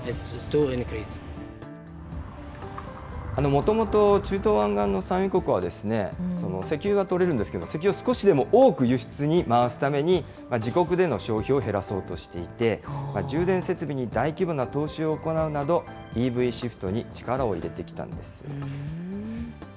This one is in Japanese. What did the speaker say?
もともと中東湾岸の産油国は、石油が採れるんですけど、石油を少しでも多く輸出に回すために、自国での消費を減らそうとしていて、充電設備に大規模な投資を行うなど、ＥＶシフトに力を入れてきたんです。